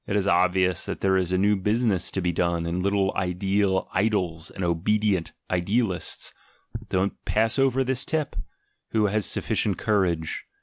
S. i 7 4 THE GENEALOGY OF MORALS obvious that there is a new business to be done in little ideal idols and obedient "idealists"— don't pass over this tip! Who has sufficient courage?